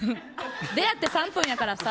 出会って３分やからさ